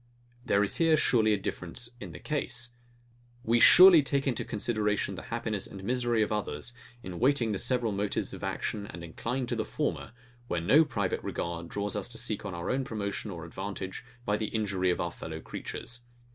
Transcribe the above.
There is here surely a difference in the case. We surely take into consideration the happiness and misery of others, in weighing the several motives of action, and incline to the former, where no private regards draw us to seek our own promotion or advantage by the injury of our fellow creatures.